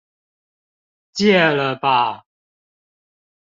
戒了吧